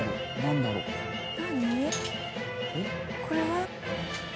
これは？